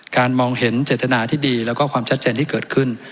มองเห็นเจตนาที่ดีแล้วก็ความชัดเจนที่เกิดขึ้น